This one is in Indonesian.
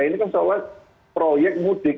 ini kan soal proyek mudik